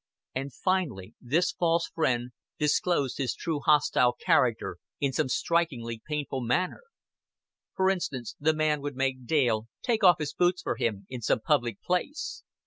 And finally this false friend disclosed his true hostile character in some strikingly painful manner. For instance, the man would make Dale take off his boots for him in some public place.